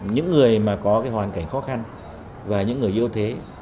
những người mà có cái hoàn cảnh khó khăn và những người yếu thế